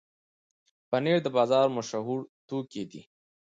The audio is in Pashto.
پنېر د بازار مشهوره توکي دي.